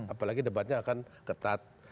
apalagi debatnya akan ketat